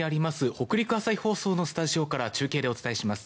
北陸朝日放送のスタジオから中継でお伝えします。